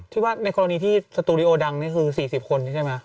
ที่ว่าในกรณีที่สตูดิโอดังนี่คือ๔๐คนใช่ไหม